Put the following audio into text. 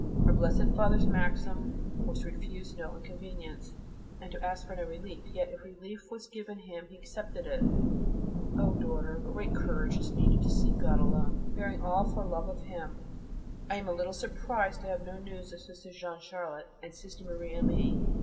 Our Blessed Father's maxim was to refuse no inconvenience, and to ask for no relief, yet if relief was given him he accepted it. Oh, daughter, great courage is needed to seek God alone, bearing all for love of Him. I am a little surprised to have no news of Sister Jeanne Charlotte, and Sister Marie Aimée.